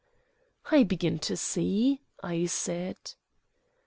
"I begin to see," I said.